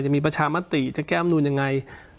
จะมีประชามติจะแก้อำนูนยังไง